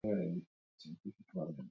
Kasualitate polita, ezta?